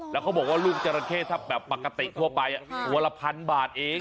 แล้วเขาบอกว่าลูกจราเข้ถ้าแบบปกติทั่วไปตัวละพันบาทเอง